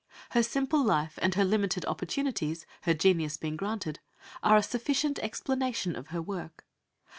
Her simple life and her limited opportunities, her genius being granted, are a sufficient explanation of her work.